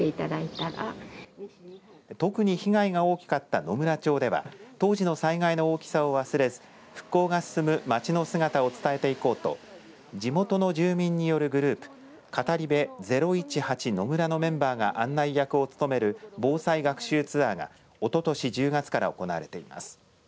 特に被害が大きかった野村町では当時の災害の大きさを忘れず復興が進む町の姿を伝えていこうと地元の住民によるグループ、語り部０１８のむらのメンバーが案内役を務める防災学習ツアーがおととし１０月から行われています。